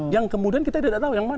yang kemudian kita tidak tahu yang mana